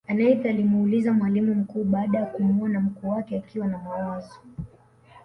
aneth alimuuliza mwalimu mkuu baada ya kumuona mkuu wake akiwa na mawazo